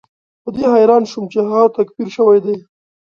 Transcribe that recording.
په دې حیران شوم چې هغه تکفیر شوی دی.